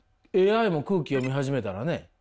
ＡＩも空気読み始めたらね。